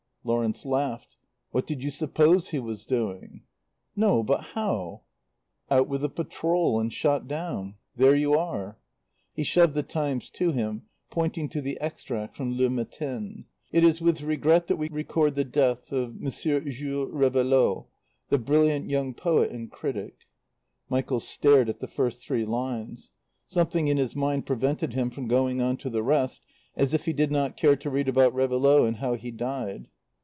Lawrence laughed. "What did you suppose he was doing?" "No but how?" "Out with the patrol and shot down. There you are " He shoved the Times to him, pointing to the extract from Le Matin: "It is with regret that we record the death of M. Jules Réveillaud, the brilliant young poet and critic " Michael stared at the first three lines; something in his mind prevented him from going on to the rest, as if he did not care to read about Réveillaud and know how he died.